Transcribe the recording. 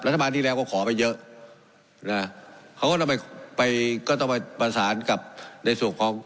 รัฐบาลที่แล้วก็ขอไปเยอะนะเขาก็ต้องไปไปก็ต้องไปประสานกับในส่วนของ